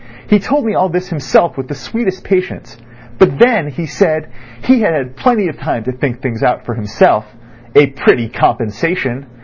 He told me all this himself with the sweetest patience; but then, he said, he had had plenty of time to think out things for himself. A pretty compensation!